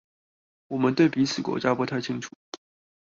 我們對彼此國家不太清楚